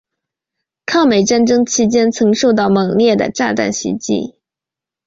抗美战争期间曾受到猛烈的炸弹袭击。